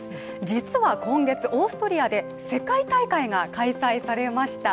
実は今月、オーストリアで世界大会が開催されました。